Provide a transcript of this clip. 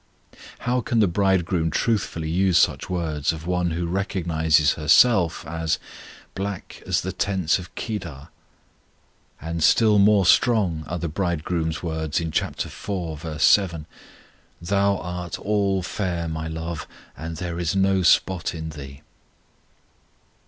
How can the Bridegroom truthfully use such words of one who recognizes herself as Black as the tents of Kedar? And still more strong are the Bridegroom's words in chap. iv. 7: Thou art all fair, My love; And there is no spot in thee.